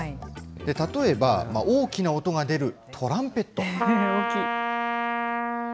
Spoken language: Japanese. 例えば大きな音が出るトランペット。